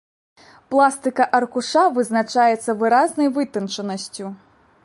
Пластыка аркуша вызначаецца выразнай вытанчанасцю.